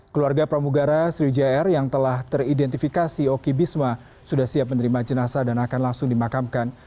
keluarga pramugara sriwijaya r yang telah teridentifikasi oki bisma sudah siap menerima jenazah dan akan langsung dimakamkan